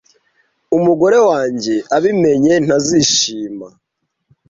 Umugore wanjye abimenye, ntazishima.